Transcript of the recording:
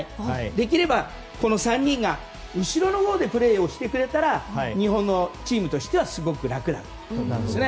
できれば、この３人が後ろのほうでプレーしてくれたら日本のチームとしてはすごく楽なパターンですね。